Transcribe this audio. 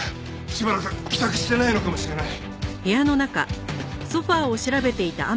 しばらく帰宅してないのかもしれない。